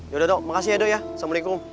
ya udah dok makasih ya dok ya assalamualaikum